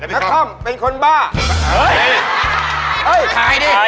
ต้องทายดิ